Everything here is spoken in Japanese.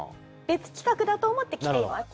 別企画だと思って来ています。